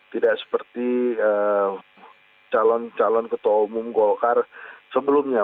tidak seperti calon calon ketua umum golkar sebelumnya